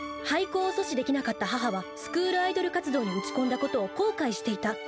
廃校を阻止できなかった母はスクールアイドル活動に打ち込んだことを後悔していた。